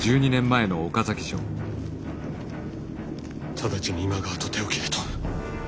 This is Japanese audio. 直ちに今川と手を切れと。